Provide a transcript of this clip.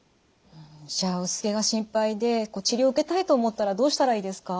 じゃあ薄毛が心配で治療を受けたいと思ったらどうしたらいいですか？